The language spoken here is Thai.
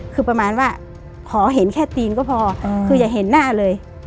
คือประมาณว่าขอเห็นแค่ตีนก็พอคืออย่าเห็นหน้าเลย